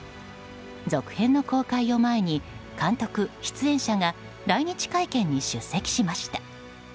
続編の公開を前に監督、出演者が来日会見に出席しました。